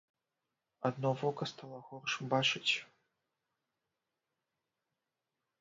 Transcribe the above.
Адно вока стала горш бачыць.